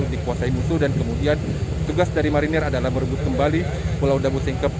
di kuasai musuh dan kemudian tugas dari marinir adalah merebut kembali pulau dabu singkep